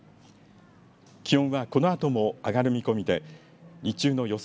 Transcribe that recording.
気温はこのあとも上がる見込みで日中の予想